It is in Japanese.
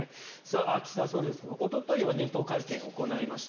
岸田総理ですが、おとといは年頭会見を行いました。